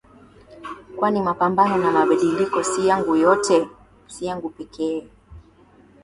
kwani mapambano na mabadiliko si yangu pekee